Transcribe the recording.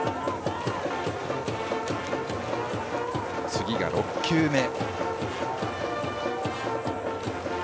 次が６球目。